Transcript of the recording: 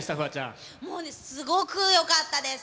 もうね、すごくよかったです。